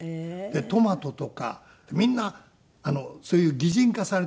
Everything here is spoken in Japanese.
でトマトとかみんなそういう擬人化されているドラマ。